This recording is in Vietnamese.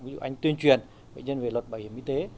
ví dụ anh tuyên truyền bệnh nhân về luật bảo hiểm y tế